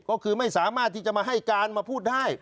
ก็คือไม่สามารถที่จะมาให้การมาพูดได้